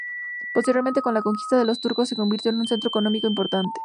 Posteriormente, con la conquista de los turcos, se convirtió en un centro económico importante.